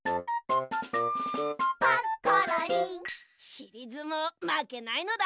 しりずもうまけないのだ！